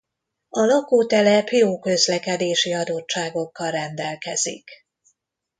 A lakótelep jó közlekedési adottságokkal rendelkezik.